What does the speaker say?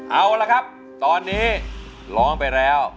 เอาละครับตอนนี้ร้องไปแล้ว